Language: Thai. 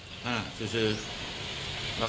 ไม่รู้ครับ